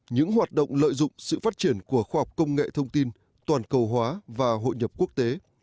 những hoạt động lợi dụng sự phát triển của khoa học công nghệ thông tin toàn cầu hóa và hội nhập quốc tế